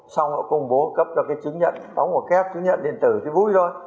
xong họ công bố cấp cho cái chứng nhận đóng một kép chứng nhận điện tử thì vui rồi